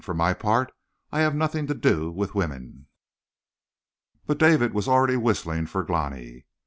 For my part I have nothing to do with women." But David was already whistling to Glani.